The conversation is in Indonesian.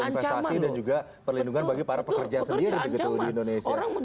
investasi dan juga perlindungan bagi para pekerja sendiri begitu di indonesia